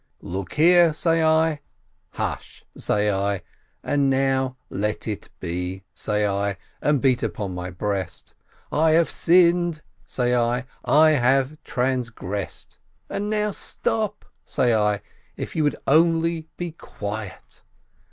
"Look here," say I, "hush !" say I, "and now let be !" say I, and beat upon my breast. "I have sinned!" say I, "I have transgressed, and now stop," say I, "if you would only be quiet!"